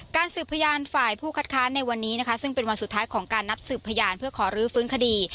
สืบพยานฝ่ายผู้คัดค้านในวันนี้นะคะซึ่งเป็นวันสุดท้ายของการนัดสืบพยานเพื่อขอรื้อฟื้นคดี